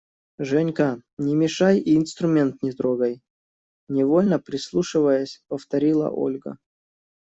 – Женька, не мешай и инструмент не трогай! – невольно прислушиваясь, повторила Ольга.